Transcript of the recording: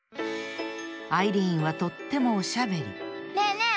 アイリーンはとってもおしゃべりねえねえ